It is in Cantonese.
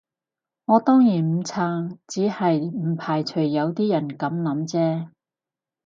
我當然唔撐，只係唔排除有啲人噉諗啫